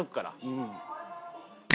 うん。